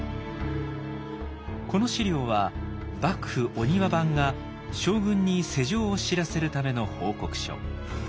この史料は幕府御庭番が将軍に世情を知らせるための報告書。